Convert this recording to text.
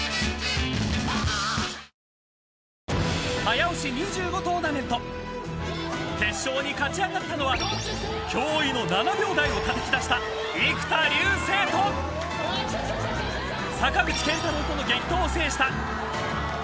［早押し２５トーナメント決勝に勝ち上がったのは驚異の７秒台をたたき出した生田竜聖と坂口健太郎との激闘を制した佐藤隆太］